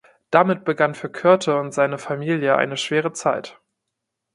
Damit begann für Körte und seine Familie eine schwere Zeit.